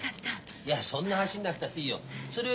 いやそんな走んなくたっていいよ。